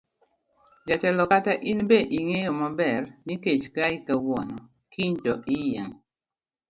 Jatelo kata in be ing'eyo maber ni kech kayi kawuono kiny to iyieng'.